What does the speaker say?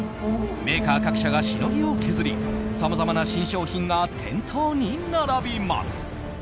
メーカ−各社がしのぎを削りさまざまな新商品が店頭に並びます。